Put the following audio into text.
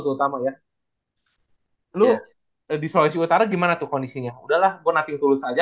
terutama ya lalu di sulawesi utara gimana tuh kondisinya udahlah gue nothing to lose aja